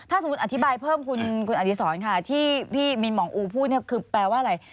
ถ้าสมมุติอธิบายเพิ่มคุณอดีศรค่ะที่พี่มินหมองอูพูดเนี่ยคือแปลว่าอะไร